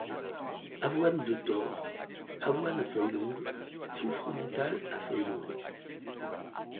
Avoine de Thore, Avoine à feuilles longues, Faux-fromental à feuilles longues.